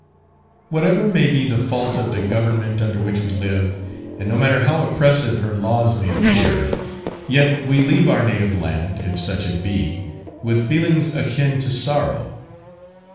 Whatever may be the fault of the government under which we live, and no matter how oppressive her laws may appear, yet we leave our native land (if such it be) with feelings akin to sorrow.